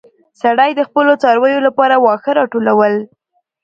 سړی د خپلو څارويو لپاره واښه راټولول.